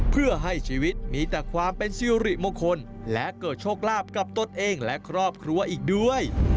เพื่อให้ชีวิตมีแต่ความเป็นสิริมงคลและเกิดโชคลาภกับตนเองและครอบครัวอีกด้วย